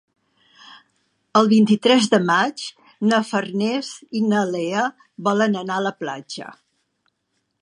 El vint-i-tres de maig na Farners i na Lea volen anar a la platja.